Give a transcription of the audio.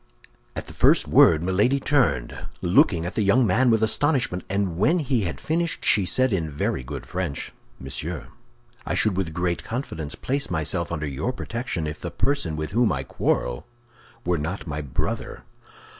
At the first word Milady turned, looking at the young man with astonishment; and when he had finished, she said in very good French, "Monsieur, I should with great confidence place myself under your protection if the person with whom I quarrel were not my brother."